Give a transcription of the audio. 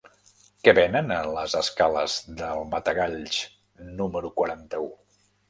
Què venen a les escales del Matagalls número quaranta-u?